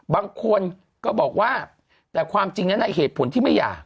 บางคนก็บอกว่าแต่ความจริงนั้นเหตุผลที่ไม่อยาก